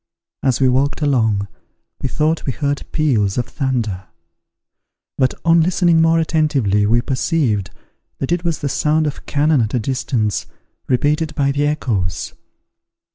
As we walked along, we thought we heard peals of thunder; but, on listening more attentively, we perceived that it was the sound of cannon at a distance, repeated by the echoes.